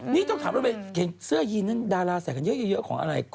นี่ต้องถามว่าเบลเสื้อยีนดาราใส่กันเยอะของอะไร